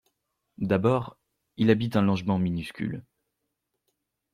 D’abord, il habite un logement minuscule.